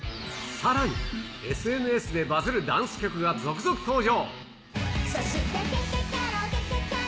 さらにＳＮＳでバズるダンス曲が続々登場。